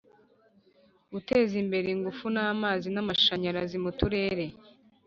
Guteza imbere Ingufu z’ amazi n’ amashanyarazi mu turere